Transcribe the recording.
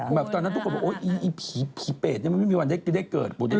อีเด่นเหรอแบบตอนนั้นทุกคนว่าโอ๊ยอีผีผีเปดมันไม่มีวันที่ได้เกิดปุ๊ดอีก